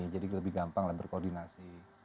jadi lebih gampang lah berkoordinasi